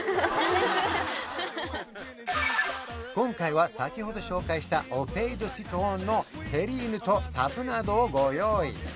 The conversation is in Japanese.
今回は先ほど紹介したオー・ペイ・ド・シトロンのテリーヌとタプナードをご用意